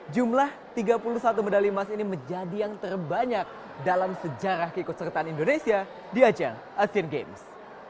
jumlah tiga puluh satu medali emas ini menjadi yang terbanyak dalam sejarah keikutsertaan indonesia di ajang asian games